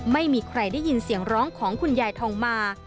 ไม่มีใครได้ยินเสียงร้องของคุณยายทองมา